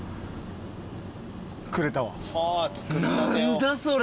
何だそれ！